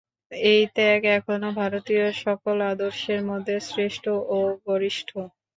এই ত্যাগ এখনও ভারতীয় সকল আদর্শের মধ্যে শ্রেষ্ঠ ও গরিষ্ঠ।